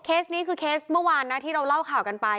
นี้คือเคสเมื่อวานนะที่เราเล่าข่าวกันไป